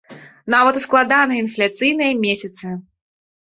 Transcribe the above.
Нават у складаныя інфляцыйныя месяцы.